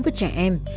với trẻ em